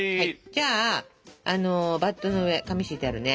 じゃあバットの上紙敷いてあるね。